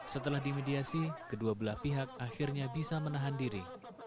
setelah dimediasi kedua belah pihak akhirnya bisa menahan diri